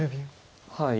はい。